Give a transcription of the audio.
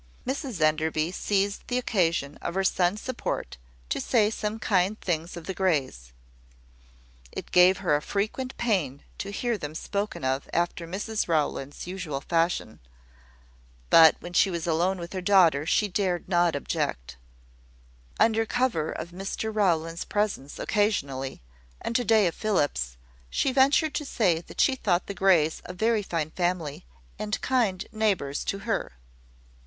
Mrs Enderby seized the occasion of her son's support to say some kind thing of the Greys. It gave her frequent pain to hear them spoken of after Mrs Rowland's usual fashion; but when she was alone with her daughter, she dared not object. Under cover of Mr Rowland's presence occasionally, and to day of Philip's, she ventured to say that she thought the Greys a very fine family, and kind neighbours to her.